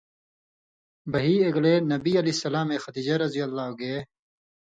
بَہی اېگلے نبی علیہ السلامے خدیجہ رض گے